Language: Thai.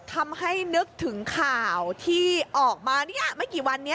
ทำให้นึกถึงข่าวที่ออกมาไม่กี่วันนี้